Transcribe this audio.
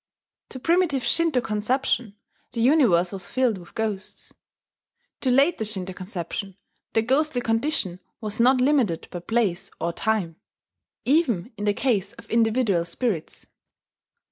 To primitive Shinto conception the universe was filled with ghosts; to later Shinto conception the ghostly condition was not limited by place or time, even in the case of individual spirits.